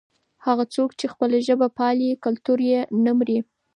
هغه څوک چې خپله ژبه پالي کلتور یې نه مري.